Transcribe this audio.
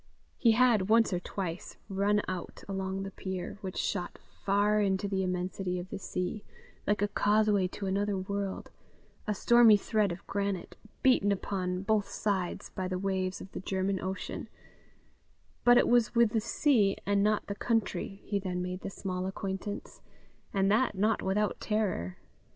He had, once or twice, run out along the pier, which shot far into the immensity of the sea, like a causeway to another world a stormy thread of granite, beaten upon both sides by the waves of the German Ocean; but it was with the sea and not the country he then made the small acquaintance and that not without terror.